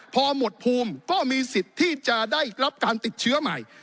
พอหมดภูมิก็มีสิทธิ์ที่จะได้รับการติดเชื้อใหม่